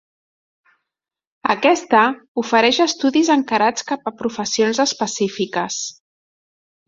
Aquesta, ofereix estudis encarats cap a professions específiques.